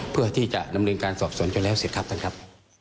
เพื่อที่จะดำเนินการสอบสวนจนแล้วเสร็จครับท่านครับ